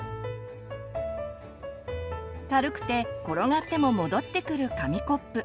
軽くて転がっても戻ってくる紙コップ。